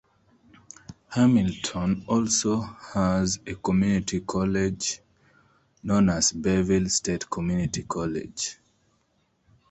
Hamilton also has a community college known as Bevil State Community College.